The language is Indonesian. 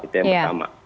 itu yang pertama